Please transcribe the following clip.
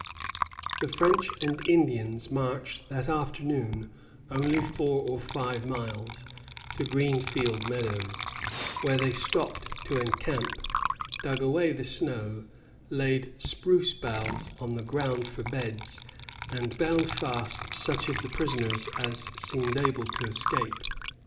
The French and Indians marched that afternoon only four or five miles, to Greenfield meadows, where they stopped to encamp, dug away the snow, laid spruce boughs on the ground for beds, and bound fast such of the prisoners as seemed able to escape.